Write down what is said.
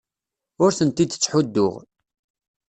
Ur tent-id-ttḥudduɣ.